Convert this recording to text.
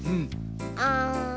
あん。